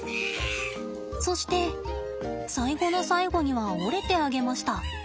そして最後の最後には折れてあげました。